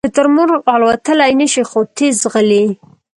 شترمرغ الوتلی نشي خو تېز ځغلي